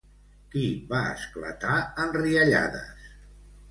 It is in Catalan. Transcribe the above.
Qui va esclatar en riallades?